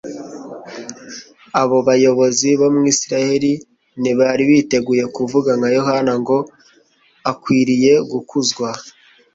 Abo bayobozi bo mw’Isiraheli ntibari biteguye kuvuga nka Yohana ngo, “Akwiriye gukuzwa,